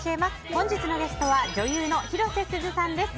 本日のゲストは女優の広瀬すずさんです。